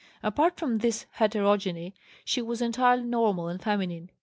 Apart from this heterogeny, she was entirely normal and feminine.